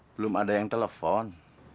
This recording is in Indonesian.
belum ada yang telepon